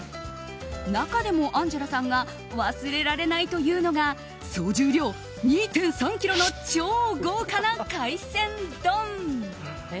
中でもアンジェラさんが忘れられないというのが総重量２．３ｋｇの超豪華な海鮮丼。